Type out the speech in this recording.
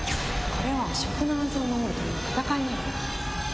これは食の安全を守るための戦いなの。